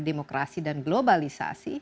demokrasi dan globalisasi